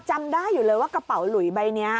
จำได้อยู่เลยว่ากระเป๋าหลุยใบนี้